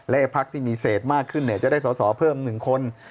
และพักที่มีเศษมากขึ้นจะได้สอสอเพิ่ม๑คน